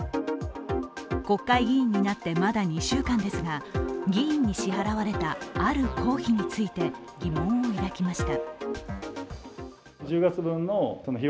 国会議員になってまだ２週間ですが議員に支払われたある公費について疑問を抱きました。